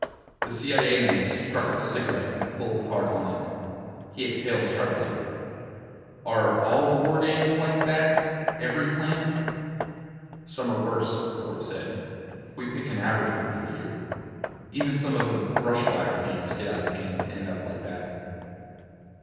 The CIA man struck up a cigarette and pulled hard on it. He exhaled sharply. "Are all the war games ... like that? Every plan?" "Some are worse," Ford said. "We picked an average one for you. Even some of the 'brushfire' games get out of hand and end up like that."